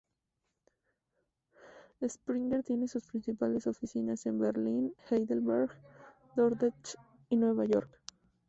Springer tiene sus principales oficinas en Berlín, Heidelberg, Dordrecht y Nueva York.